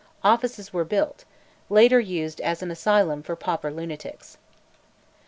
Offices were built later used as an asylum for pauper lunatics.